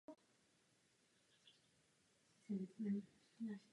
Dnes to bohužel není součástí každodenní reality v této oblasti.